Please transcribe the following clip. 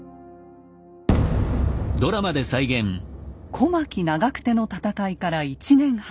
小牧・長久手の戦いから１年半。